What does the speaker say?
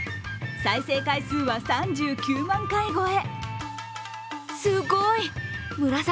再生回数は３９万回超え。